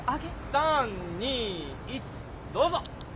３２１どうぞ。